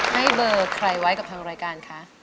ให้เบอร์ใครไว้กับทางรายการคะ